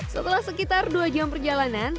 setelah sekitar dua jam perjalanan